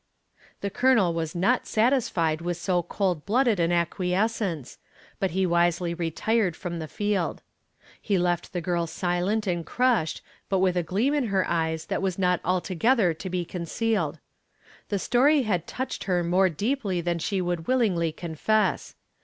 The Colonel was not satisfied with so cold blooded an acquiescence, but he wisely retired from the field. He left the girl silent and crushed, but with a gleam in her eyes that was not altogether to be concealed. The story had touched her more deeply than she would willingly confess.